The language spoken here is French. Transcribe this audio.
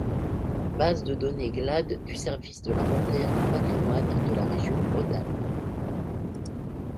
Base de données Glad du service de l’Inventaire du patrimoine de la région Bretagne.